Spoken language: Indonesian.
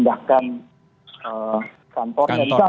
nah proses ini sebenarnya kita lakukan semenjak awal ya